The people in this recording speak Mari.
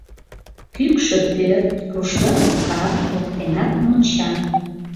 Кӱкшӧ пӧрт, рушлагапка, воктенак монча.